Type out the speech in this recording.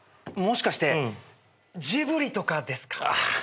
もしかしてジブリとかですか？